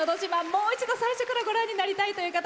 もう一度最初からご覧になりたいという方